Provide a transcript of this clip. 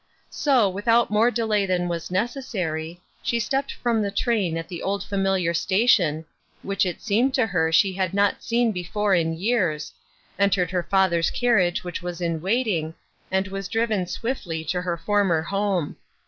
So without more delay than was necessary, she stepped from the train at the old familiar station which it seemed to her she had not seen before in years, entered her father's carriage which was in waiting, and was driven rapidly to her former home.